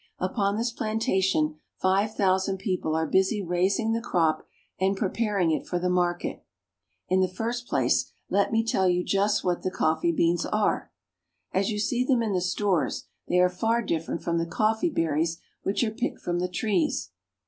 Upon this plan tation five thousand people are busy rais ing the crop and pre paring it for the market. In the first place, let me tell you just what the coffee beans are. As you see them in the stores they are far different from the coffee berries which are picked from the trees.